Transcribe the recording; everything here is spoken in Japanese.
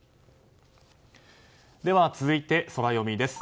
では、続いてソラよみです。